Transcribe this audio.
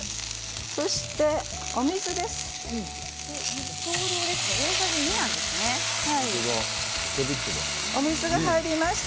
そしてお水です。